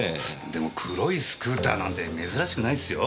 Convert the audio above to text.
でも黒いスクーターなんて珍しくないですよ。